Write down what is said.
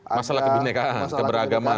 masalah kebenekaan keberagaman